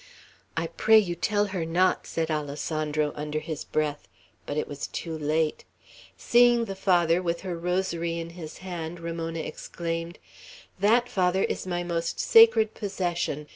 "I pray you tell her not," said Alessandro, under his breath; but it was too late. Seeing the Father with her rosary in his hand, Ramona exclaimed: "That, Father, is my most sacred possession.